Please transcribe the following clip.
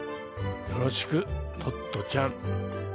よろしく、トットちゃん。